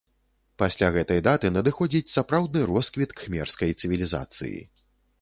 Пасля гэтай даты надыходзіць сапраўдны росквіт кхмерскай цывілізацыі.